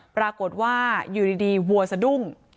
ปรากฏว่าอยู่ดีวัวสะดุ้ง